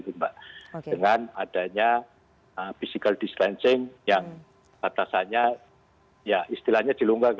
dengan adanya physical distancing yang batasannya ya istilahnya dilonggarkan